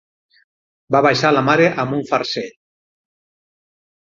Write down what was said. Va baixar la mare amb un farcell